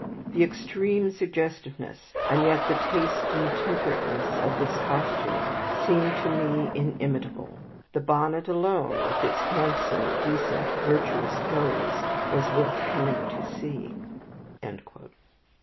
The extreme suggestiveness, and yet the taste and temperateness of this costume, seemed to me inimitable. The bonnet alone, with its handsome, decent, virtuous bows, was worth coming to see."